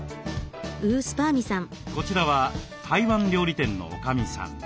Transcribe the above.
こちらは台湾料理店のおかみさん。